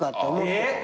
えっ！